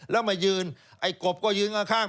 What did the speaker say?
แล้วมายืนไอ้กบก็ยืนข้าง